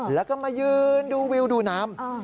แล้วก็มายืนดูวิวดูน้ำ